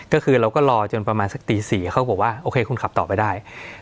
ก็คือเราก็รอจนประมาณสักตี๔เขาก็บอกว่าโอเคคุณขับต่อไปได้